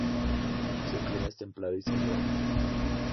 Su clima es templado y saludable.